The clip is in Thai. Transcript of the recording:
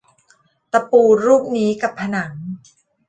ตะปูรูปนี้กับผนัง